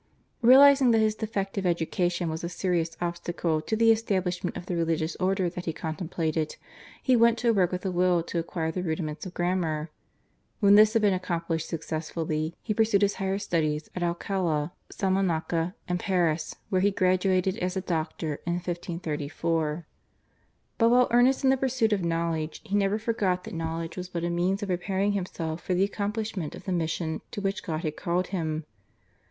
Realising that his defective education was a serious obstacle to the establishment of the religious order that he contemplated, he went to work with a will to acquire the rudiments of grammar. When this had been accomplished successfully he pursued his higher studies at Alcala, Salamanca, and Paris, where he graduated as a doctor in 1534. But while earnest in the pursuit of knowledge he never forgot that knowledge was but a means of preparing himself for the accomplishment of the mission to which God had called him.